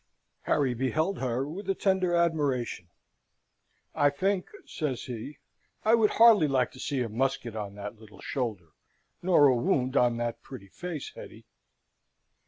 Harry beheld her with a tender admiration. "I think," says he, "I would hardly like to see a musket on that little shoulder, nor a wound on that pretty face, Hetty."